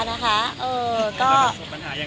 ปัญหาอย่างไรบ้าง